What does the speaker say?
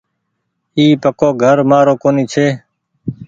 اي پڪو گهر مآرو ڪونيٚ ڇي ۔